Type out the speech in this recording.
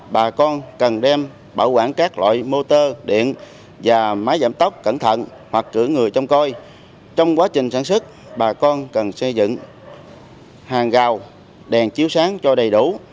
bà con cần xây dựng hàng gào đèn chiếu sáng cho đầy đủ